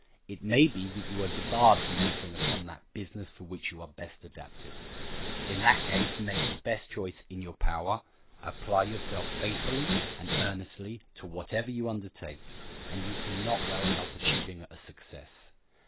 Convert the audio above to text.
It may be that you are debarred from entering upon that business for which you are best adapted. In that case make the best choice in your power, apply yourself faithfully and earnestly to whatever you undertake, and you can not well help achieving a success.